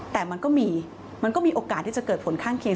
แต่มันก็มีมันก็มีโอกาสที่จะเกิดผลข้างเคียง